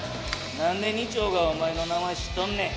なんで二丁がお前の名前知っとんねん？